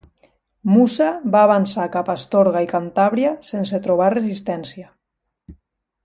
Mussa va avançar cap a Astorga i Cantàbria sense trobar resistència.